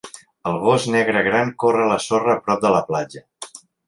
El gos negre gran corre a la sorra a prop de la platja.